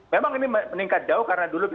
memang ini meningkat jauh karena dulu